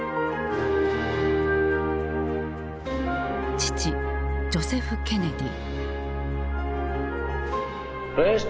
父ジョセフ・ケネディ。